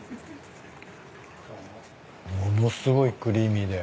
ものすごいクリーミーで。